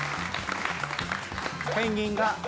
ペンギンが。